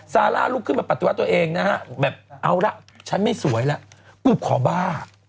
ซาร่าลุกขึ้นมาปฏิวัติตัวเองนะฮะแบบเอาละฉันไม่สวยแล้วกูขอบ้า